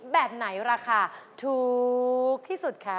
แบบไหนราคาถูกที่สุดคะ